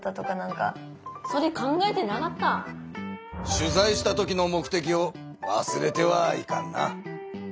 取材したときの目てきをわすれてはいかんな。